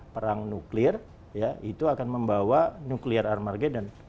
perang nuklir ya itu akan membawa nuklir armada